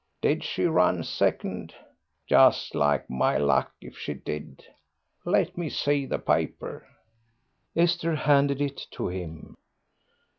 Did she run second? Just like my luck if she did. Let me see the paper." Esther handed it to him.